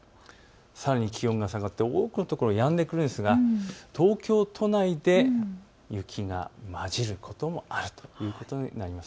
さらに気温が下がって多くの所やんでくるんですが東京都内で雪が交じることもあるということになります。